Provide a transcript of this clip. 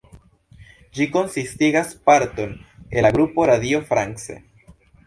Ĝi konsistigas parton el la grupo Radio France.